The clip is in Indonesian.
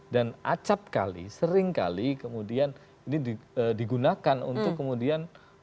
dan acap kali sering kali kemudian ini digunakan untuk kemudian